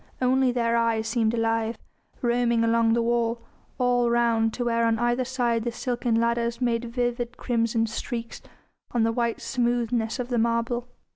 Only their eyes seemed alive, roaming along the wall, all round to where on either side the silken ladders made vivid crimson streaks on the white smoothness of the marble.